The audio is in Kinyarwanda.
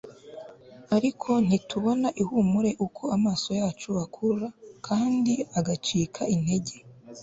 ariko ntitubona ihumure uko amaso yacu akura kandi agacika intege